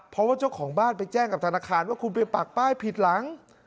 เพราะว่าเจ้าของบ้านไปแจ้งกับธนาคารว่าคุณไปปากป้ายผิดหลัง